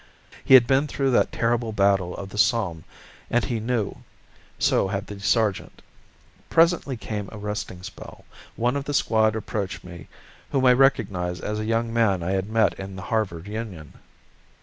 He had been through that terrible battle of the Somme, and he knew. So had the sergeant. Presently came a resting spell. One of the squad approached me, whom I recognized as a young man I had met in the Harvard Union.